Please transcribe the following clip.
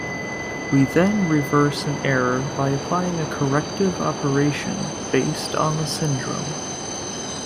We then reverse an error by applying a corrective operation based on the syndrome.